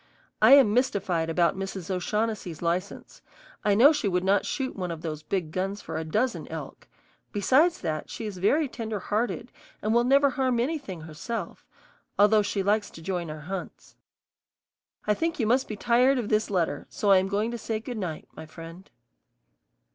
I am mystified about Mrs. O'Shaughnessy's license. I know she would not shoot one of those big guns for a dozen elk; besides that, she is very tender hearted and will never harm anything herself, although she likes to join our hunts. I think you must be tired of this letter, so I am going to say good night, my friend.